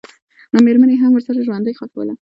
نومېرمن یې هم ورسره ژوندۍ ښخوله.